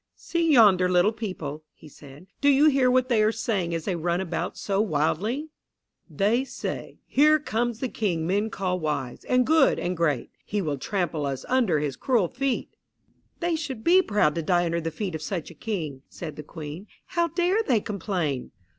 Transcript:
"See yonder little people," he said; "do you hear what they are saying as they run about so wildly? "They say, 'Here comes the King men call wise, and good, and great. He will trample us under his cruel feet.'" "They should be proud to die under the feet of such a King," said the Queen. "How dare they complain!"